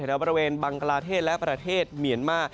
แถวบริเวณบังกลาเทศและประเทศเมียนมา